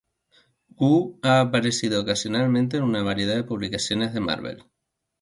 Woo ha aparecido ocasionalmente en una variedad de publicaciones de Marvel.